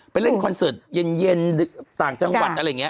เล่นคอนเสิร์ตเย็นต่างจังหวัดอะไรอย่างนี้